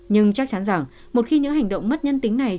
nhưng chắc chắn rằng một khi những hành động mất nhân tính này